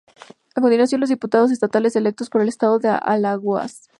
A continuación los diputados estatales electos por el Estado de Alagoas.